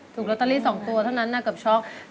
ถูกลอตเตอรี่๒ตัวเท่านั้นเกือบช็อก